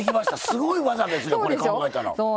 すごい技ですよこれ考えたら。